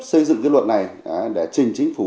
xây dựng cái luật này để trình chính phủ